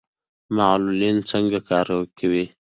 معلولین څنګه کار کوي؟